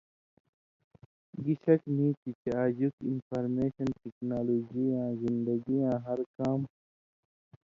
گی شک نی تھی چےۡ آژُکیۡ انفارمېشن ٹیکنالوجی یاں زندگی یاں ہر کام